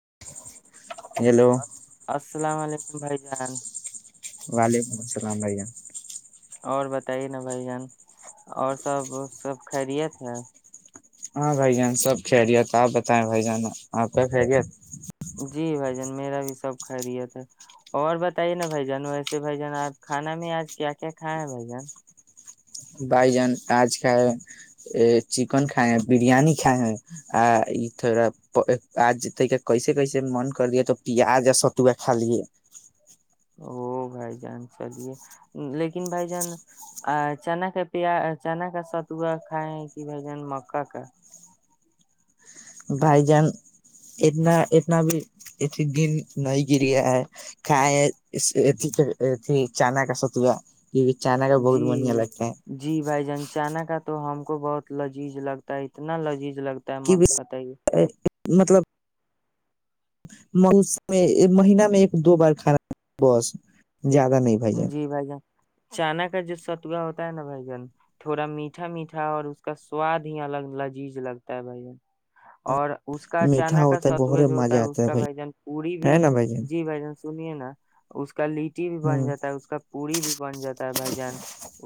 [inaudible] Hello السلام علیکم بھائی جان وعلیکم السلام بھیا اور بتائیے نا بھائی جان اور سب سب خریت ہے ہاں بھائی جان سب خیریت آپ بتائیں بھائی جان آپ کیا خھیریت جی بھ جان میرا بھی سب خیریت ہے اور بتائیے نا بھ جان ویسے بھ جان آپ کھانا میں آج کیا کیا کھاائے ہے بھ جان بھائی جان آج کائے ا چکن کھائے ہیں بریانی کھائے ہیں آ تھوڑا آج ت کیسے کیسے من کر لے تو پیاز ستوا کھا لے ا بھائی جان چلیے لیکن بھائی جان چنا کا پیا چنا کا ستوا کھائے کہ بھ جان مکا کا بھائی جان اتنا اتنا بھی ات دن نہیں گریا ہے کائے ا چنا کا ستیا جی جی بھائی جانچانک آ تو ہم کو بہت لذیذ لگتا ہے اتنا لذیذ لگتا ہے کہ مت پت ہی مطلب مسم مہین میں ایک دو بار کھانا بس زیادہ نہیں بھائی جان جی بھائی چانا کا جو ستوا ہوتا ہے نا بھ جن تھوڑا میٹھا میٹھا اور اس کا سواد ہی الگ لذیذ لگتا ہے بھ جن اور اس کا میٹھا اچانک کا ہوتا ہے بہت ستوج ہوتا مزہ ہے اس آتا کا بھائی جان پی ہے بھی نا بھائی جان جی بھ جان سنیے نا اس کا لیٹی ب بھی بن ہ جاتی ہے پوی بھی بن جاتا ہے بھ جان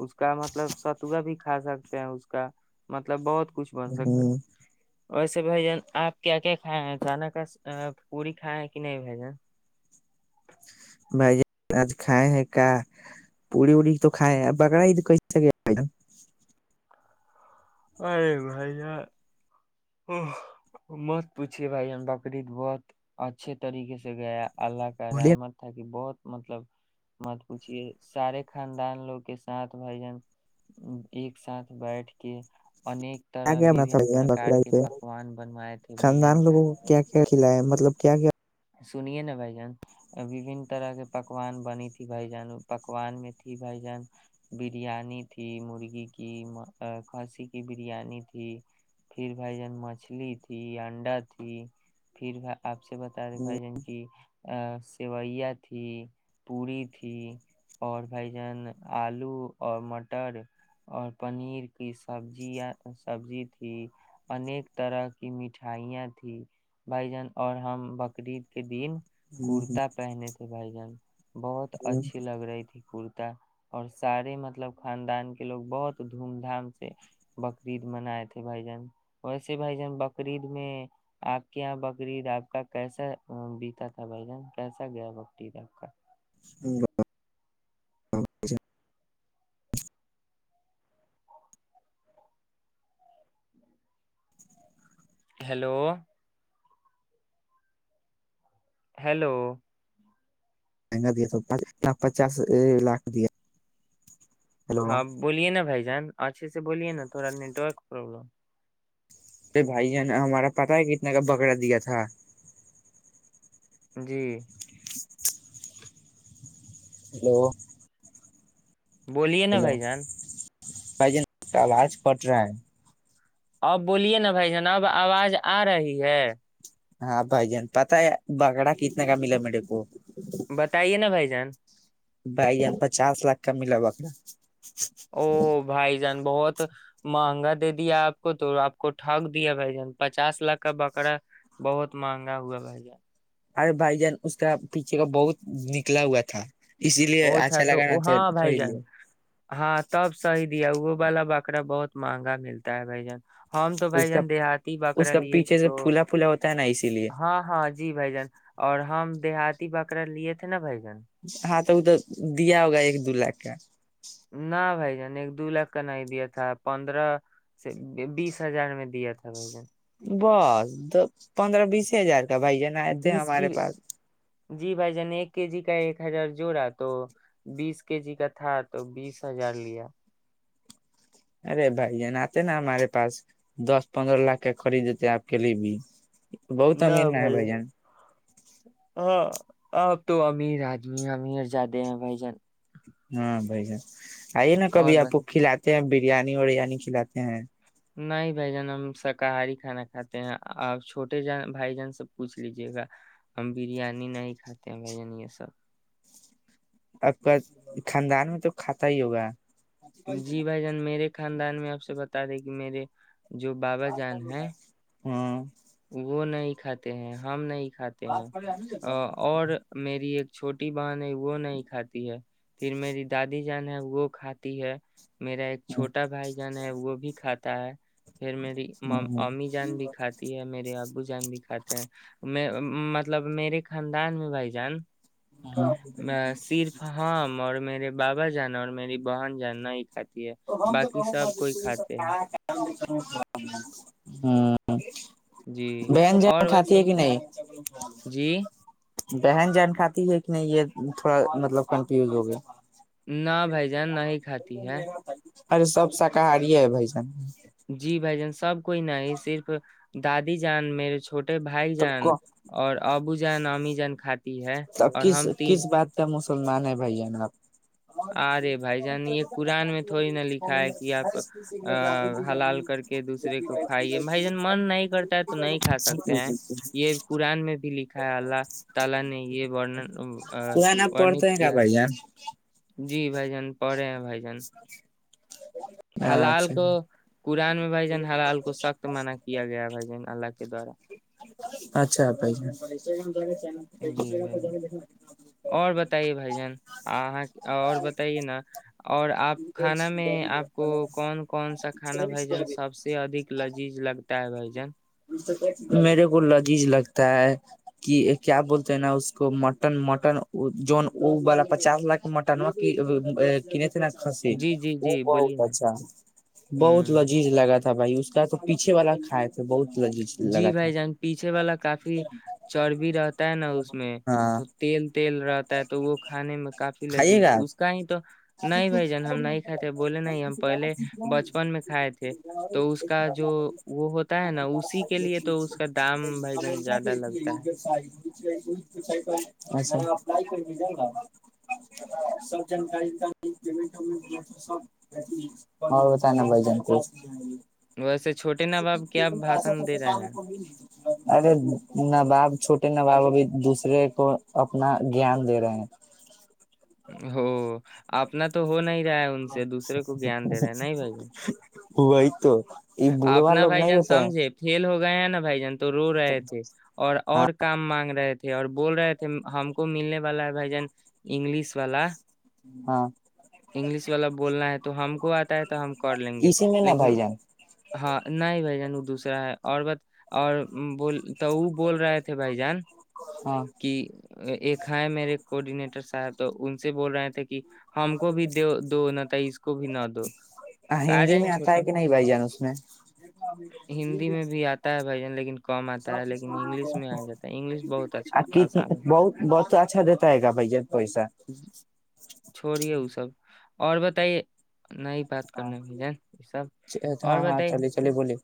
اس کا مطلب ستوا بھی کھا سکتے ہیں اس کا مطلب بہت کچھ بن سکتا ہ ہے ویسے بھ جان آپ کیا کیا کھائے ہیں کانا کا پوری کھائےیں کہ نہیں بھ جن بھائی آج کھائے ہیں کیا پوڑی اڑی تو کھائے بکرا تو کی کیا ارے بھائی مت پوچھی بھائی جان بقرریید بہت اچھے طریقے سے گیا اللہ کا بولیے رحمت تھا کہ بہت مطلب مت پوچھیے سارے خاندان لوگ کے ساتھ بھائی جن ایک ساتھ بیٹھ کے انیک کیا طرح کیا بنا تھا وبن بھان پرکار بکرا عید کے پہ؟ پکوان بنوائے تھے بھجن خاندان لوگوں کو کیا کیا کھلایا ہے؟ مطلب کیا کیا سنیے نا بھائی جان وبن طرح کے پکوان بنی تھی بھائی جان پکوان میں تھی بھائی جان بریانی تھی مرغی کی کھسی کی بریانی تھی پھر بھائی جان مچھلی تھی انڈا تھی پھر آپ سے ب ہوں، بھائی جن کی سیوئیا تھی پوڑی تھی اور بھائی جان آلو اور مٹر اور پنیر کی سبزیا سبزی تھی انیک طرح کی مٹھائیاں تھی بھائی جان اور ہم ب تقریب کے دین ہوں، کرتا پہنے تھے بھائی جان بہت ہوں، اچھی لگ رہی تھی کر اور سارے مطلب خاندان کے لوگ بہت دھوم دھام سے بقرید منائے تھے بھائی جان ویسے بھائی جان بقرید میں آپ کے یہاں بقرید آپ کا کیسا بیتا تھا بھ جان کیسا گیا بکٹی د آ کا [inaudible] ہیلو ہیلو مہنگا دیا تو لاکھ پچاس لاکھ دیا ہلو ہاں بولیے نا بھائی جان اچھے سے بولیے نا تھوڑا نیٹ ورک پروابلم اے بھائی جانا ہمارا پتا ہے کتنا کا بکرا دیا تھا جی ہیلو بولیے نا بھائی جان بھائی جان کا آواز پٹ رہا ہے اب بولیے نا بھائی جنا اب آواز آ رہی ہے ہاں بھائی جان پتا ہے بگڑا کتنے کا ملا میرے کو بتائیے نا بھائی جین بھائی یہ پچاس لاکھ کا ملا بکر او بھائی جان بہت مہنگا دے دیا آپ کو تو آپ کو ٹھگ دیا بھائی جان پچاس لاکھ کا بکرا بہت مہنگا ہوا بھائی جان ارے بھائی جان اس کا پیچھے کا بہت نکلا ہوا تھا اسی لیے اچھا لگا نا تو ہاں بھائی خرید لیا جان ہاں تب صی دیا وہ والا بکرا بہت مہنگا ملتا ہے بھائی جان ہم تو بھ اس کا جان دیہاتی اس بکرا کا لیے تھے پیچھے سے تو پھولا پھولا ہوتا ہے نا اسی لیے ہاں ہاں جی بھائی جان اور ہم دیہاتی بکرا لیے تھے نا بھائی جان ہاں [inaudible] تو تو دیا ہوگا ایک دو لاکھ کا نہ بھائی جان ایک دو لاکھ کا نہیں دیا تھا پندرہ سے بیس ہزار میں دیا تھا بھائی جن بس پندرہ بیس ہزار تو بھائی جان آئے تھ ہیں بیس ہمارے کی پاس جی بھائی جان ایک کے جی کا ایک ہزار جوڑا تو بیس کے جی کا تھا تو بیس ہزار لیا ارے بھائی ج ن آتے نا ہمارے پاس دس پندرہ لاکھ کے خریدتے آپ کے لیے بھی بہت امیر نہ ہے بھائی جان اب تو امیر آدمی ہیں امیر جدے ہیں بھائی جان ہاں بائی ج [inaudible] آئیے نا کبھی اور آپ بس کھی لات ہیں بریانی وریانی کھلاتے ہیں نہیں بھ جان ہم شاکاہاری کھانا کھاتے ہیں آپ چھوٹے ج بھائی جان سے پوچھ لیجیے گا ہم بریانی نہیں کھاتے ہیں بھ جن یہ سب اب کا خاندان میں تو کھاتا ہی ہوگا جی بھائی جان میرے خاندان میں آپ سے بتا دے کہ میرے جو بابا جان ہے ہاں [inaudible] وہ نہیں کھاتے ہیں ہم نہیں کھاتے ہیں اور میری ایک چھوٹی بہن ہے وہ نہیں کھاتی ہے پھر میری دادی جان ہے وہ کھاتی ہے میرا ایک چھوٹا بھائی جان ہے وہ بھی کھاتا [inaudible] پھر میری امی جان بھی کھاتی تی ہے میرے ابو جان بھی کھاتے ہیں میں مطلب میرے خاندان میں بھائی جان ہاں میں صرف ہم اور میرے باپ جانا اور میری بہن جانا ہی کات تو ہم تو کہوں مور سب ہوں جی بانجن اور کھاتات ویسے ہے کہ نہیں جی بہن جانکاتی ہے کہ نہیں یہ تھوڑا مطلب کنفیوز ہو گیا نہ بھائی جان نہیں کھاتی ہے ارے سب شاکاہاری ہے بھ جان جی بھائی جان سب کوئی نہیں صرف دادی جان میرے چھوٹے بھائی تب جان کو اور اب جان ہممی جان کھٹ تو کس کس بات کا م سلمان ہے بھیا نا آب ارے بھائی جان یہ قران میں تھوڑی نہ لکھا ہے کہ اپ ا حلال کر کے دوسرے کو کھائیے بھائی جان من نہیں کرتا ہے تو نہیں کھا سکتے ہیں یہ قران میں بھی لکھا ہے اللہ تعالی نے یہن قرآن آپ وورنت پڑھتے ہیں کیا بھائی جان جی بھ جان پے آ اچ حلال کو قرآن میں بھائی جان حلال کو سخت منع کیا گیا بھائی جان اللہ کے دوارا اچھا ب جی [inaudible] جی بھ ج اور بتائیے بھ جان آ اور بتائیے نا [unintelligible] اور آپ کھانا میں آپ کو کون کون سا کھانا بھائیجن سب سے ادھ لذیذ لگتا ہے [inaudible] میرے کو لذیذ لگتا ہے کہ کیا بولتے ہیں نا اس کو مٹن مٹن جو وہ والا پچاس لاکھ مٹن وہ کینے کھنسی جی جی وہ جی بولیے بہت نا اچھا بہت ہوں لذیذ لگا تھا تھا بھائی اس کا تو پیھے والا کھائے تھے بہت لذیذ جی لگا تھا بھائی جان پیچھے والا کافی چربی رہتا ہے نا اس میں ہاں تو تیل تیل رہتا ہے تو وہ کھانے میں کافی کھائیے لذیذ گا اس آپ کا ہی تو نہیں بھائی جان ہم نہیں کھائے تھے بولے نہیں ہم پہلے بچپن میں کھائے تھے تو اس کا جو وہ ہوتا ہے نا اس اسی کے لیے تو کا دام بھائی جان امن کیا کہ زیادہ لی لگتا ہے س اپ کرا سب جانکاری اور بت ن بائی جان کو ویسے چھوٹے نا بپ کیا بھاشن دے رہے ہیں ارے نواب چھوٹے نواب ابھی دوسرے کو اپنا گیان دے رہے ہیں ہو اپنا تو ہو نہیں رہ ہے ان سے دوسرے کو گان دے رہے ہیں نہیں بھائی ہوو آئیت اپنا بھائی جان سمجھے فل ہو گئے ہیں بائی ج تو رو رہے تھے اور اور کام مانگ رہے تھے تھ اور بول رہے تھے ہم کو ملنے والا ہے بھجن انگلش والا ہاں انگلش والا بولنا ہے تو ہم کو آتا ہے تو ہم کر لیں گے اسی میں نا لیکن بھائی جان ہاں نہیں بھائی جان وہ دوسرا ہے اور بت اور بول تو وہ بول رہے تھے بھائی جان ہاں کہ ایک ہ میرے کوڈینیٹر صاحب تو ان سے بول رہے تھے کہ ہم کو بھی دو دو ن تئیس کو بھی ن دو ہاں آ ہندی جائیں میں آتا چھوٹے ہے کہ نہیں بھائی جان ہندی میں بھی آتا ہے بھائی جان لیکن کم آتا ہے لیکن انگلش میں آ جاتا ہے انگلش بہت اچھا ک آسان ہوتا بہ بہت اچھا دیتا ہے گا بھ پیسہ ہے چھوڑیے وہ سب اور بتائیے نہیں ہی بات کرنا بھ جن یہ سب اور ہاں ہاں بتائیے چلے چلے بلیے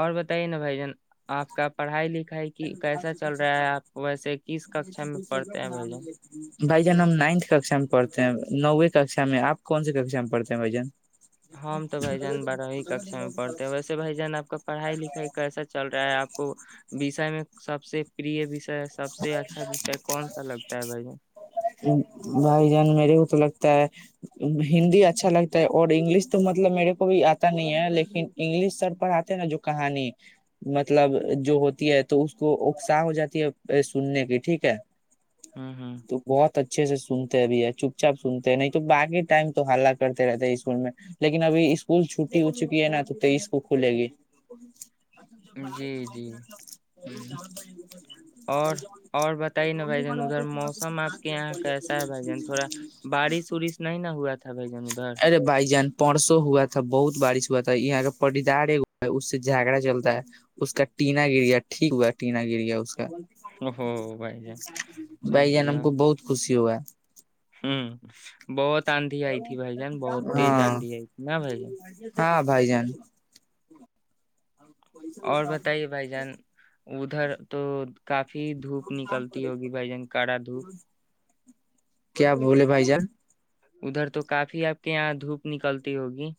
اور بتائیے بھائی جن آپ کا پڑھائی لکھائی کہ کیسا چل رہا ہے آپ ویسے کس ککشا میں پڑھتے ہیں بھ جن بھائی جان ہم نائنتھ ککشا میں پڑھتے ہیں نووے ککشا میں آپ کون سی ککا میں پڑتے ہیں بھائی جان ہم تو بھ جان بارہ ہی ککشا میں پڑھتے ہیں ویسے بھ جان آپ کا پڑھائی لکھائی کیسا چل رہا ہے آپ کو وسے میں سب سے پرری بھیش سب سے اچھا وسے کون سا لگتا ہے بھائی بھائی جان میرے کو تو لگتا ہندی اچھا لگتا ہے اور انگلش تو مطلب میرے کو بھی آتا نہیں ہے لیکن انگلش سر پڑھ آتے نا جو کہانی مطلب جو ہوتی ہے تو اس کو اکساہ ہو جاتی ہے ب سننے کی ٹھیک ہے ہوں ہوں تو بہت اچھے سے سنتے ہیں بھی ہے چپ چاپ سنتے ہیں نہیں تو باقی ٹائم تو حلہ کرتے رہتے ہیں اسکول میں لیکن ابھی اسکول چھٹی ہو چکی ہے نا تو اسک کھلے گی ا جو باہر جی جی کا م اور اور بتائیے نا بھائی جان ادھر موسم آپ کے یہاں کیسا ہے بھائی جان تھوڑا بارش وورش نہیں نہ ہوا تھا بھائی جان ادھر ارے بھائی جان پرسوں ہوا تھا بہت بارش ہو ہو یہاں کا پڑدار ایک ہے اس سے جھگا چلتا ہے اس کا ٹینا گر گیا ٹھیک ہوا ٹینا گر گیا اس کا ہو بھائی جان بائی چلیے جانم کو بہت خوش ہو ہے ہ بہت آانندھی آئی تھی بھائی جان بہت تیز ہاں آندھی آئی تھی نا بھائی جان ہاں بھائی جان اور بتائیے بھائی جان ادھر تو کافی دھوپ نکلتی ہوگی بھائی جان کڑا دھوپ کیا بولے بھائی جان ادھر تو کافی آپ کے یہاں دھوپ نکلتی ہوگی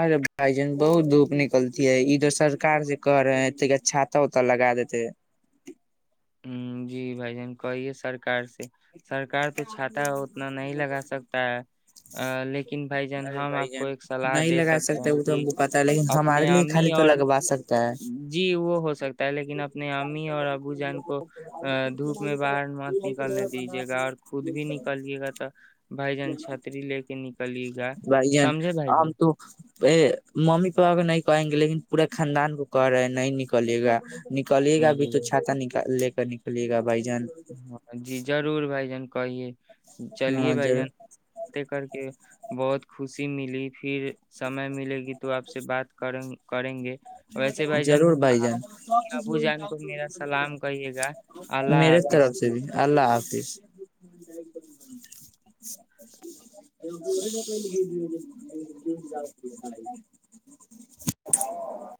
ارے بھائی جان بہت دھوپ نکلتی ہے ا تو سرک سے کہ رہے ہیں چھاتا وت لگا دیتے جی بھ جان کہیے سرک سے سرکار تو چھات اتنا نہیں لگا سکتا ہے آ لیک ارے بھائی جان نہیں لگا سکتے ہیں وہ تو کہ ہم کو پتا ہے لیکن ہمارے اپنے لیے خالی امی تو اور لگوا سکتے جی وہ ہو سکتا ہے لیکن اب اپنے امی اور ابو جان کو ا دھوپ میں باہر مت نکلنے دیجیے گا اور خود بھی نکلیے گا تو بھائی جان چھتری لے کے نکلیے گا سمجھے بھائی جن ا ممی پپا کو نہیں کہیں گے لیکن پورا خاندان کو کہ رہے ہے نہیں نکلے گا نکلیے گا ابھی جی تو چاتا نک لے کے نکلیےا بھائی جان ہاں جی جضور بھائی جان کائیے چلیے ہاں بھائی جان ضرور باتیں کر کے بہت خوشی ملی پھر سمے ملے گی تو تو آپ سے بات کریں گ کریں گے ویسے بھائی جان ضرور بھائی جان امی ابو جان کو میرا سلام کہیے گا اللہ میرے اس حافظ طرف سے بھی اللہ حافظ۔۔ ہاں۔۔